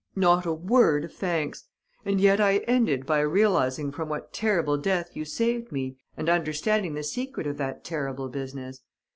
Not a word of thanks! And yet I ended by realizing from what terrible death you saved me and understanding the secret of that terrible business!